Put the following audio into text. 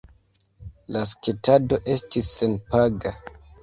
La sketado estis senpaga.